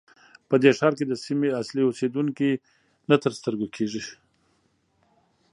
په دې ښار کې د سیمې اصلي اوسېدونکي نه تر سترګو کېږي.